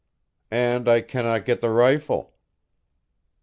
"And I cannot get the rifle."